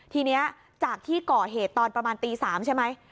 ทีนี้จากที่ก่อเหตุตอนประมาณตี๓ใช่ไหม